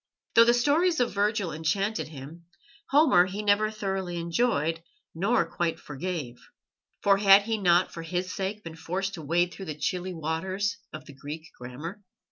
Though the stories of Virgil enchanted him, Homer he never thoroughly enjoyed nor quite forgave, for had he not for his sake been forced to wade through the chilly waters of the Greek grammar?